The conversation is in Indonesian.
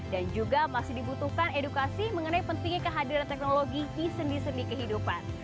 dan juga masih dibutuhkan edukasi mengenai pentingnya kehadiran teknologi di sendi sendi kehidupan